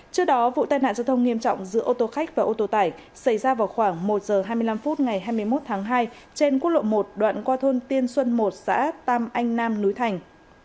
trước đó vụ tai nạn giao thông nghiêm trọng giữa ô tô khách và ô tô tải xảy ra vào khoảng một h hai mươi năm phút ngày hai mươi một tháng hai trên quốc lộ một đoạn qua thôn tiên xuân một xã tam anh nam núi thành